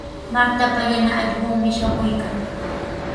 Martapa yana allqunmi shamuykan.